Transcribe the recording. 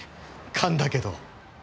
勘だけど。